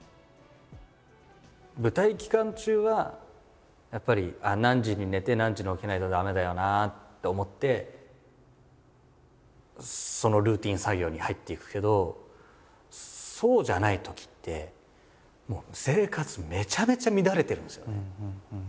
舞台期間中はやっぱり何時に寝て何時に起きないと駄目だよなと思ってそのルーティン作業に入っていくけどそうじゃないときって生活めちゃめちゃ乱れてるんですよ。